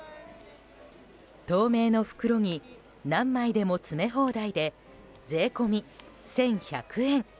透明の袋に何枚でも詰め放題で税込み１１００円。